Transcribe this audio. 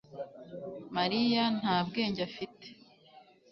Mariya nta bwenge afite